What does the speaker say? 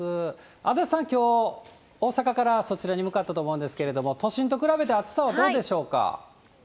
足立さん、きょう、大阪からそちらに向かったと思うんですけれども、都心と比べて暑さはどうでしょうか？